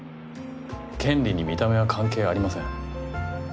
権利に見た目は関係ありません。